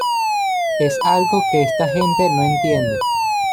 Es algo que esta gente no entiende.